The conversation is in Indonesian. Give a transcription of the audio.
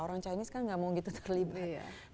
orang chinese kan gak mau gitu terlibat